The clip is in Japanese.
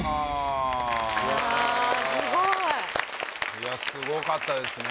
いやスゴかったですね